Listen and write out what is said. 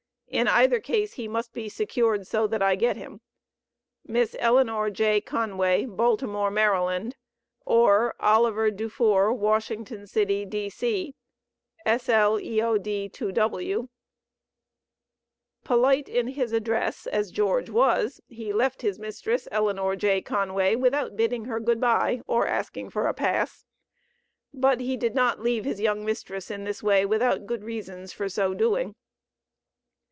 In either case he must be secured so that I get him. MISS ELEANOR J. CONWAY, Baltimore, Md., or OLIVER DUFOUR, Washington City, D.C. sl eod 2w. "Polite in his address" as George was, he left his mistress, Eleanor J. Conway, without bidding her good bye, or asking for a pass. But he did not leave his young mistress in this way without good reasons for so doing.